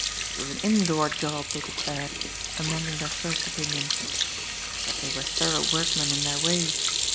It was an indoor job, they declared, amending their first opinion. But they were thorough workmen in their way.